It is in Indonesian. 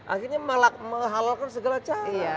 akhirnya menghalalkan segala cara